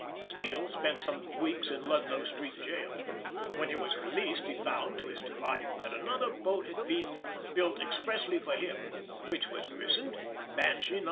Steele spent some weeks in Ludlow Street gaol; when he was released he found, to his delight, that another boat had been built expressly for him, which was christened Banshee No.